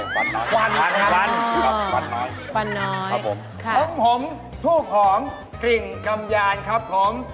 กวันน้อยข้าวมห่มห่มถูกหอมกลิ่นกำยานครับผม